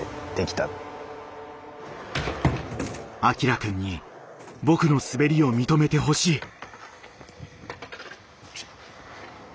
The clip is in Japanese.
アキラくんに僕の滑りを認めてほしい。